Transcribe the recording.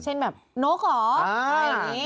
เช่นแบบนกเหรออะไรอย่างนี้